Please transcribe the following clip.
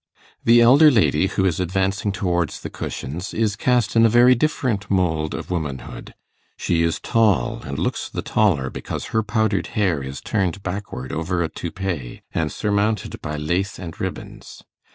The elder lady, who is advancing towards the cushions, is cast in a very different mould of womanhood. She is tall, and looks the taller because her powdered hair is turned backward over a toupee, and surmounted by lace and ribbons.